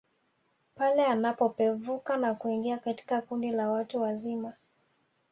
Pale anapopevuka na kuingia katika kundi la watu wazima